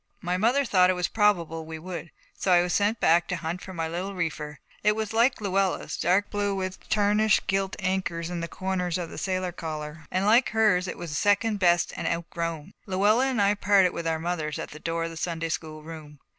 My mother thought it was probable we would. So I was sent back to hunt for my little reefer. It was like Luella's, dark blue with tarnished gilt anchors on the corners of the sailor collar, and like hers it was second best and outgrown. Luella and I parted with our mothers at the door of the Sunday school room.